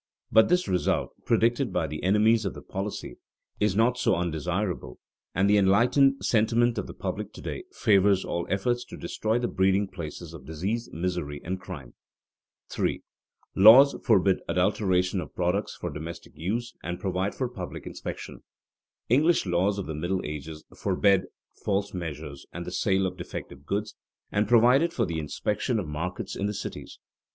But this result, predicted by the enemies of the policy, is not so undesirable, and the enlightened sentiment of the public to day favors all efforts to destroy the breeding places of disease, misery, and crime. [Sidenote: Public inspection of goods used in the homes] 3. Laws forbid adulteration of products for domestic use and provide for public inspection. English laws of the Middle Ages forbade false measures and the sale of defective goods, and provided for the inspection of markets in the cities.